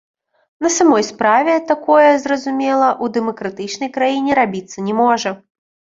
На самой справе, такое, зразумела, у дэмакратычнай краіне рабіцца не можа.